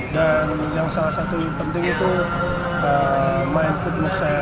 dan yang salah satu yang penting itu main footwork saya